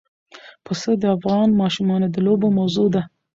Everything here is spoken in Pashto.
پسه د افغان ماشومانو د لوبو موضوع ده.